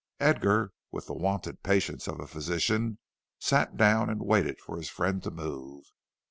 Edgar, with the wonted patience of a physician, sat down and waited for his friend to move.